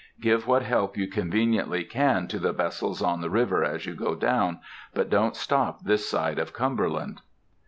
Give what help you conveniently can to the vessels on the river as you go down, but don't stop this side of Cumberland."